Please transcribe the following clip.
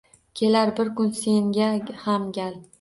Kelar bir kun senga ham gal